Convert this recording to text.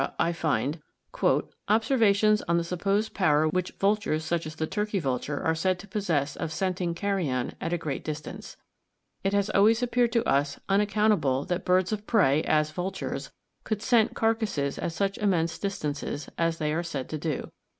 I find: "Observations on the supposed power which vultures such as the turkey vulture, are said to possess of scenting carrion at a great distance. "It has always appeared to us unaccountable that birds of prey, as vultures, could scent carcasses at such immense distances, as they are said to do.